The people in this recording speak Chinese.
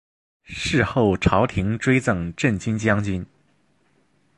事后朝廷追赠镇军将军。